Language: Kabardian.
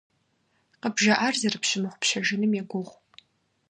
КъыбжаӀар зэрыпщымыгъупщэжыным егугъу.